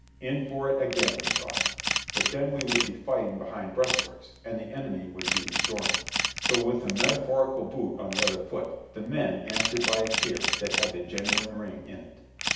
In for it again, we thought; but then we would be fighting behind breastworks, and the enemy would do the storming; so with the metaphorical boot on the other foot, the men answered by a cheer that had the genuine ring in it.